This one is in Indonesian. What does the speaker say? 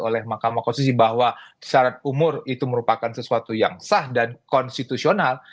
oleh mahkamah konstitusi bahwa syarat umur itu merupakan sesuatu yang sah dan konstitusional